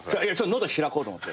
喉開こうと思って。